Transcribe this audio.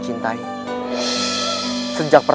tentu saja raden